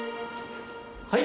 はい。